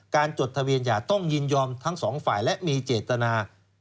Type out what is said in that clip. จดทะเบียนหย่าต้องยินยอมทั้งสองฝ่ายและมีเจตนา